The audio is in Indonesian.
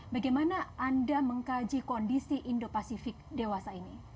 bagaimana anda mengkaji kondisi indo pasifik dewasa ini